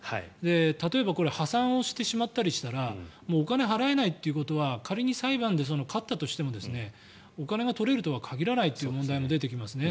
例えばこれ破産をしてしまったりしたらお金払えないということは仮に裁判で勝ったとしてもお金が取れるとは限らないという問題も出てきますね。